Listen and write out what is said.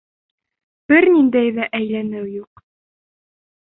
Бер ниндәй ҙә әйләнеү юҡ!